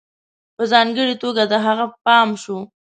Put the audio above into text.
په ځانگړي توگه د هغه پام شو